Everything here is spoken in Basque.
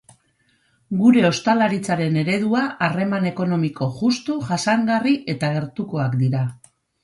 Gure ostalaritzaren eredua harreman ekonomiko justu, jasangarri eta gertukoak dira.